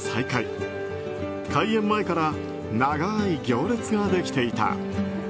開園前から長い行列ができていた。